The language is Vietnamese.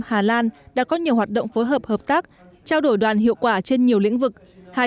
hà lan đã có nhiều hoạt động phối hợp hợp tác trao đổi đoàn hiệu quả trên nhiều lĩnh vực hai